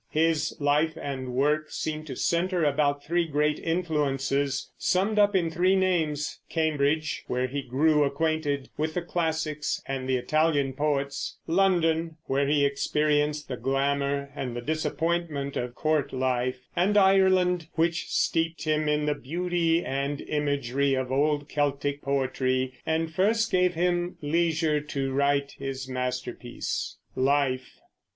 His life and work seem to center about three great influences, summed up in three names: Cambridge, where he grew acquainted with the classics and the Italian poets; London, where he experienced the glamour and the disappointment of court life; and Ireland, which steeped him in the beauty and imagery of old Celtic poetry and first gave him leisure to write his masterpiece. LIFE.